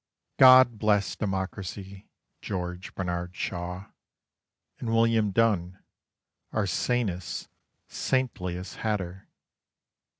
_ God bless Democracy, George Bernard Shaw, And William Dunn, our sanest, saintliest hatter!